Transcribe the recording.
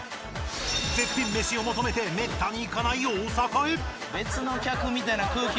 絶品メシを求めてめったに行かない大阪へ